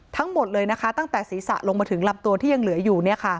ทั้งหมดเลยนะคะตั้งแต่ศีรษะลงมาถึงลำตัวที่ยังเหลืออยู่